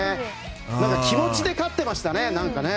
気持ちで勝ってましたね。